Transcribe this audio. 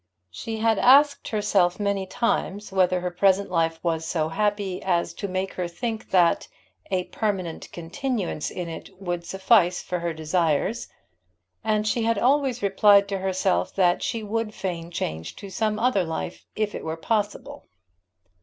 She had asked herself many times whether her present life was so happy as to make her think that a permanent continuance in it would suffice for her desires, and she had always replied to herself that she would fain change to some other life if it were possible.